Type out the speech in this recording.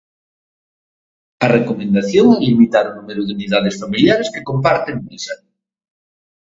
A recomendación é limitar o número de unidades familiares que comparten mesa.